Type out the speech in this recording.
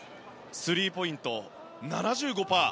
スリーポイント７５％